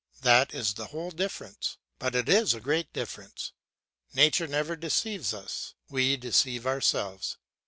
That is the whole difference; but it is a great difference. Nature never deceives us; we deceive ourselves.